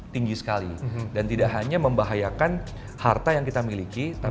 jadi kita bisa menggunakan perubahan yang bisa kita lakukan